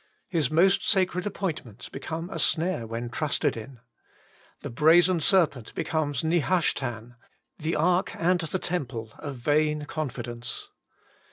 His most sacred appointments become a snare when trusted in. The brazen serpent becomes Nehushtan ; the ark and the temple a vain con fidence.